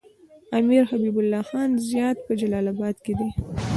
د امير حبيب الله خان زيارت په جلال اباد کی دی